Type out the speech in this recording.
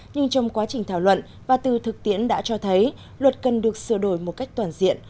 nhưng trong quá trình thảo luận và từ thực tiễn đã cho thấy luật cần được sửa đổi một cách toàn diện